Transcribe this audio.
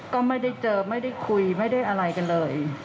ก็ไม่ได้เจอไม่ได้คุยไม่ได้อะไรกันเลย